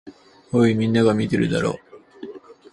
おい、みんなが見てるだろ。